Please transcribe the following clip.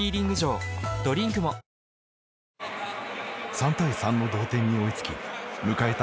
３対３の同点に追いつき迎えた